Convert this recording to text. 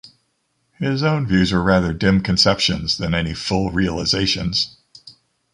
His own views were rather dim conceptions than any full realizations.